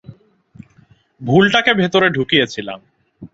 ভুলটাকে ভেতরে ঢুকিয়েছিলাম।